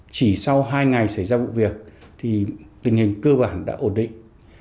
chỉ sau hai ngày xảy ra vụ việc thì tình hình cơ bản đã ổn định